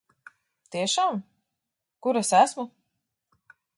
Tiešām? Kur es esmu?